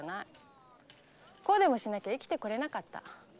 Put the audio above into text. こうでもしなきゃ生きてこられなかった。